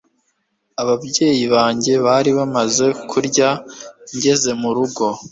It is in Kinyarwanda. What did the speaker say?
ababyeyi banjye bari bamaze kurya ngeze murugo